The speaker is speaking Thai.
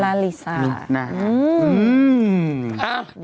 ลาลิซานุ๊กหน้าครับ